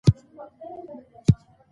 موږ یو مېلمه پال ملت یو.